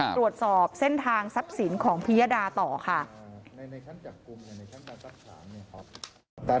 ตรวจสอบเส้นทางทรัพย์สินของพิยดาต่อค่ะ